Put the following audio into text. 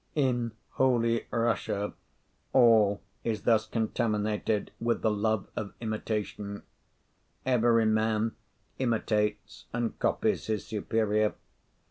In Holy Russia all is thus contaminated with the love of imitation; every man imitates and copies his superior.